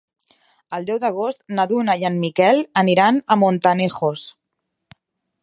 El deu d'agost na Duna i en Miquel aniran a Montanejos.